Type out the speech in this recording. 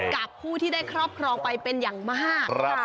กับผู้ที่ได้ครอบครองไปเป็นอย่างมาก